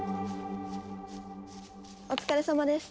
お疲れさまです。